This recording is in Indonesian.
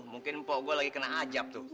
mungkin mpok gue lagi kena ajab tuh